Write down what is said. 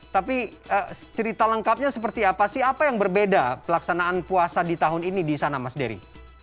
tapi cerita lengkapnya seperti apa sih apa yang berbeda pelaksanaan puasa di tahun ini di sana mas dery